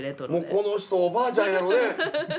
この人おばあちゃんやろうね。